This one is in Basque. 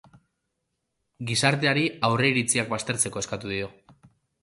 Gizarteari aurreiritziak baztertzeko eskatu dio.